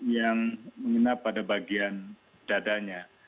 yang menginap pada bagian dadanya